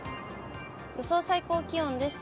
予想最高気温です。